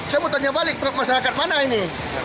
saya mau tanya balik masyarakat mana ini